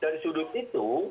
dari sudut itu